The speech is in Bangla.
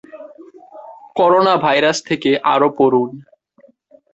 করোনাভাইরাস থেকে আরও পড়ুন